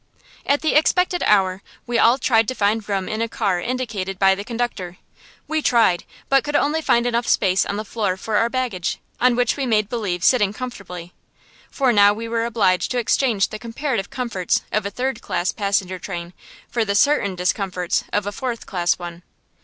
At the expected hour we all tried to find room in a car indicated by the conductor. We tried, but could only find enough space on the floor for our baggage, on which we made believe sitting comfortably. For now we were obliged to exchange the comparative comforts of a third class passenger train for the certain discomforts of a fourth class one.